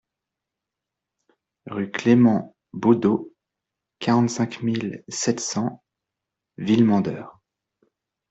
Rue Clément Baudeau, quarante-cinq mille sept cents Villemandeur